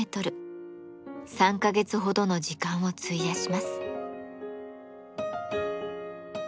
３か月ほどの時間を費やします。